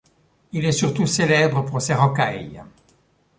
Il est surtout célèbre pour ses rocailles.